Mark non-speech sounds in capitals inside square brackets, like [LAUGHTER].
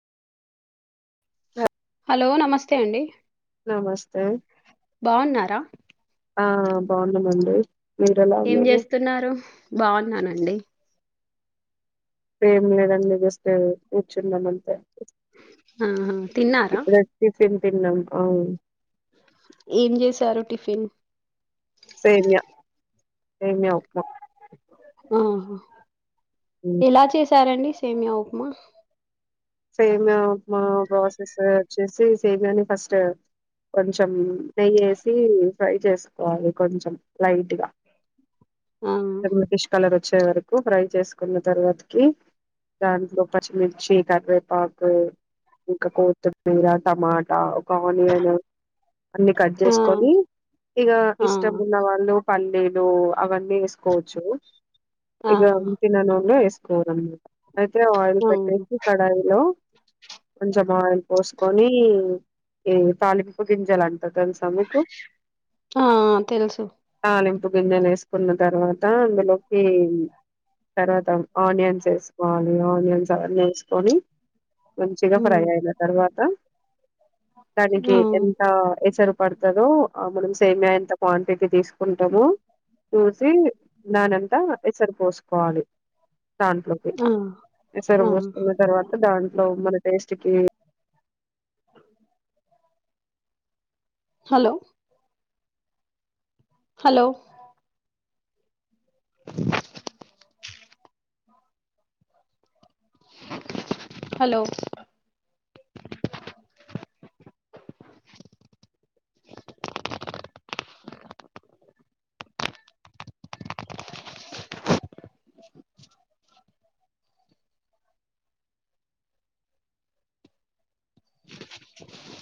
[UNINTELLIGIBLE] Hello నమస్తే అండి నమస్తే బాగున్నారా ఆ బాగున్నామండీ ఏం చేస్తున్నారు బాగున్నానండి ఏమి లేదండి జస్ట్ కూర్చున్నామ్ అంతే ఆహా తిన్నారా ఇప్పుడే టిఫిన్ తిన్నాం ఆ ఏం చేసారు టిఫిన్ సేమ్యా ఉప్మా ఆ ఉమ్. ఇలా చేసి సరేండి సేమ్యా ఉప్మా సేమ్యా ఉప్మా ప్రాసెస్ వచ్చేసి సేమ్యాని ఫస్ట్ కొంచెం నెయ్యి వేసి ఫ్రై చేసుకోవాలి కొంచెం లైట్గా ఆ [UNINTELLIGIBLE] వచ్చే వరకు ఫ్రై చేసుకున్న తర్వాతకి దాంట్లో పచ్చిమిర్చి కరివే పాకు ఇంకా కొత్తిమీర టమాటా ఒక ఆనియన్ అన్ని కట్ ఆ చేసుకొని ఇక ఆ ఇష్టం ఉన్న వాళ్ళు పల్లీ లు అవన్నీ వేసుకోవచ్చు ఆ ఇగా నూనె లో వేసుకోవాలమ్ [UNINTELLIGIBLE] ఆయిల్ ఆహా పెట్టేసి కడాయి కొంచెం ఆయిల్ పోసుకొని ఈ తాలింపు గింజాలంటే తాలింపు గింజలు అంటే తెలుసా నీకు ఆ తెలుసు తాలింపు గిన్నెలు వేసుకున్న తర్వాత అందులోకి తర్వాత ఆనియన్స్ వేసుకోవాలి ఆనియన్స్ అవన్నీ వేసుకొని మంచిగా ఫ్రై హ్మ్ అయిన తర్వాత దానికి ఆ ఎంత ఎసరు పడుతుందో అప్పుడు సేమ్యా ఎంత క్వాంటిటీ తీసుకు ఉంటాము చూసి దానంతా ఎసరు పోసుకోవాలి దాంట్లోకీ ఆ ఎసరు ఆ పోసు కున్న తర్వాత దాంట్లో మన టేస్ట్ కి [UNINTELLIGIBLE] హలో హలో [INAUDIBLE] హలో